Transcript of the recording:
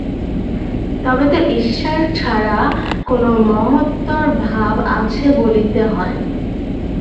তবে তো ঈশ্বর ছাড়া কোন মহত্তর ভাব আছে বলিতে হয়।